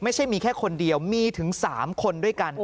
ไม่ใช่มีแค่คนเดียวมีถึง๓คนด้วยกัน